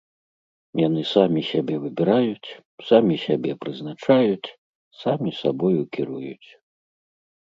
Яны самі сябе выбіраюць, самі сябе прызначаюць, самі сабою кіруюць.